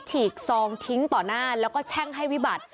ฉีกซองทิ้งต่อหน้าแล้วก็แช่งให้วิบัติ